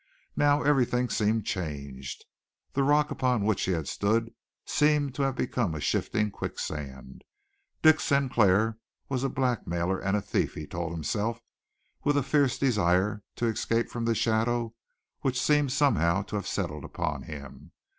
Now, everything seemed changed. The rock upon which he had stood seemed to have become a shifting quicksand. Dick Sinclair was a blackmailer and a thief, he told himself, with a fierce desire to escape from the shadow which seemed somehow to have settled upon him.